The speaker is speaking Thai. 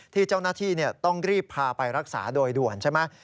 ที่เจ้าหน้าที่ต้องรีบพาไปรักษาโดยด่วนใช่ไหม